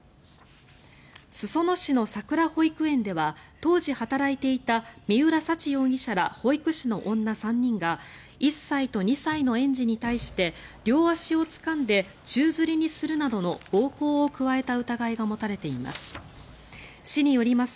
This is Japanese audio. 裾野市のさくら保育園では当時働いていた三浦沙知容疑者ら保育士の女３人が１歳と２歳の園児に対して両足をつかんで宙づりにするなどの暴行を加えた疑いが持たれています。